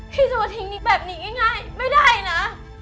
พี่จะมาทิ้งนิกแบบนี้ง่ายไม่ได้นะ